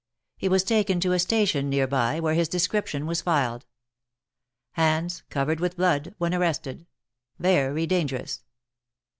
He was taken to a station near by, where his description was filed. Hands covered with blood when arrested. Very dangerous."